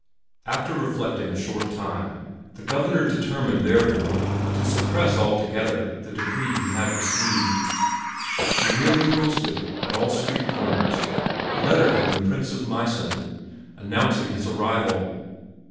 After reflecting a short time, the Governor determined therefore to suppress altogether the decree he had received; he merely posted at all the street corners a letter from the Prince of Meissen, announcing his arrival.